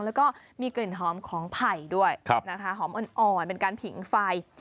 แล้วก็มีกลิ่นหอมของไผ่ด้วยนะคะหอมอ่อนเป็นการผิงไฟ